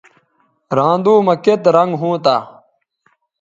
رھاندو مہ کیئت رنگ ھونتہ